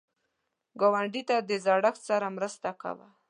ګاونډي ته د زړښت سره مرسته کوه